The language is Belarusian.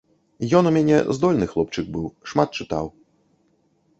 Ён у мяне здольны хлопчык быў, шмат чытаў.